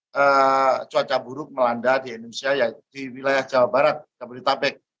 pacah buruk melanda di indonesia di wilayah jawa barat kabodetabek